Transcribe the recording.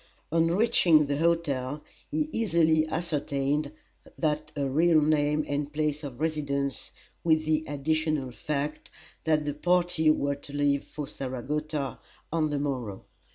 On reaching the hotel he easily ascertained her real name and place of residence, with the additional fact that the party were to leave for Saratoga on the morrow.